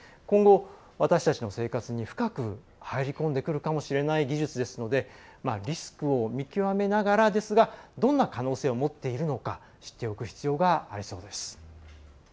今後私たちの生活に深く入り込んでくるかもしれない技術なのでリスクを見極めながらどんな可能性を持っているのか知っておく必要がありそうです。